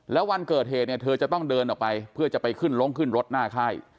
แล้ววันเกิดเหตุเนี่ยเธอจะต้องเดินออกไปเพื่อจะไปขึ้นลงขึ้นรถหน้าค่าย